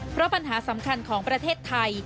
เพราะปัญหาสำคัญของประเทศไทย